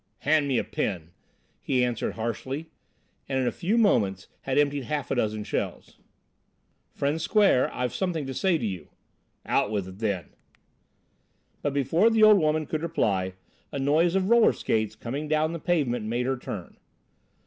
"Hand me a pin," he answered harshly, and in a few moments had emptied half a dozen shells. "Friend Square, I've something to say to you." "Out with it, then." But before the old woman could reply, a noise of roller skates coming down the pavement made her turn.